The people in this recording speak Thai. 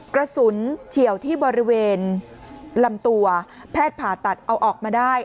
เฉียวที่บริเวณลำตัวแพทย์ผ่าตัดเอาออกมาได้